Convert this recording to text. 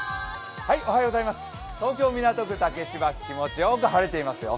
東京・港区竹芝、気持ちよく晴れていますよ。